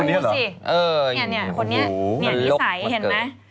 เนี่ยเนี่ยผู้หนี้ใสเห็นไหม